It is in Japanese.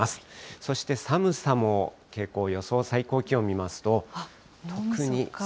そして、寒さも、傾向、予想最高気温見ますと。